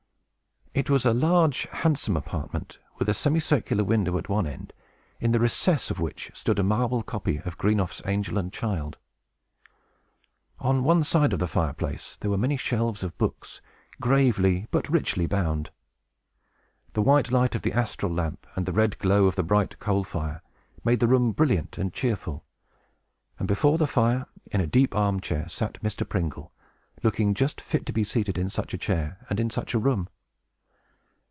It was a large, handsome apartment, with a semi circular window at one end, in the recess of which stood a marble copy of Greenough's Angel and Child. On one side of the fireplace there were many shelves of books, gravely but richly bound. The white light of the astral lamp, and the red glow of the bright coal fire, made the room brilliant and cheerful; and before the fire, in a deep arm chair, sat Mr. Pringle, looking just fit to be seated in such a chair, and in such a room.